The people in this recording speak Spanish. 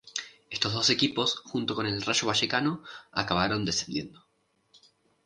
Estos dos equipos junto con el Rayo Vallecano acabaron descendiendo.